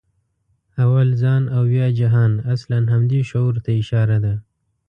«اول ځان او بیا جهان» اصلاً همدې شعور ته اشاره ده.